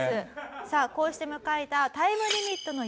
さあこうして迎えたタイムリミットの夕方５時。